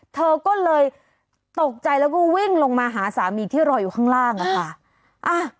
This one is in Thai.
เธอก็เลยตกใจแล้วก็วิ่งลงมาหาสามีที่รออยู่ข้างล่างอะค่ะ